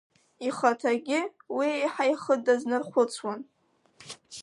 Ихаҭагьы уи еиҳа ихы дазнархәыцуан.